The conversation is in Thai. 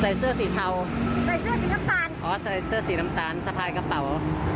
เสื้อสีเทาใส่เสื้อสีน้ำตาลอ๋อใส่เสื้อสีน้ำตาลสะพายกระเป๋า